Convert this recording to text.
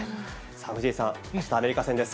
藤井さん、あした、アメリカ戦です。